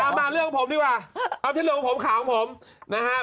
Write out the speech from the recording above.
เอามาเรื่องของผมดีกว่าเอาที่เรื่องของผมขาวของผม